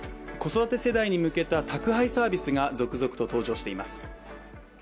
子育て世代に向けた宅配サービスが続々と登場しています。